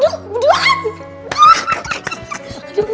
aduh bu saya seneng banget dengernya bu